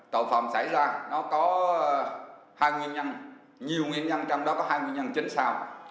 tội phạm xảy ra có nhiều nguyên nhân trong đó có hai nguyên nhân chính xác